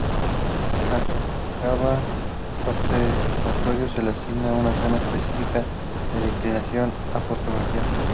A cada observatorio le fue asignada una zona específica de declinación a fotografiar.